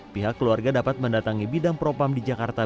pihak keluarga dapat mendatangi bidang propam di jakarta